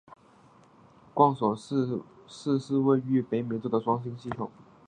贯索四是位于北冕座的双星系统。